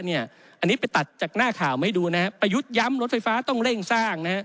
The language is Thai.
อันนี้ไปตัดจากหน้าข่าวมาให้ดูนะครับประยุทธ์ย้ำรถไฟฟ้าต้องเร่งสร้าง